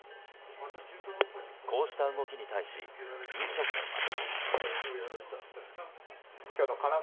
こうした動きに対し飲食店は。